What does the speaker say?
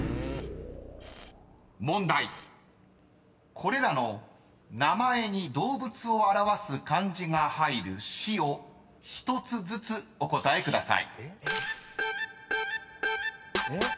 ［これらの名前に動物を表す漢字が入る市を１つずつお答えください］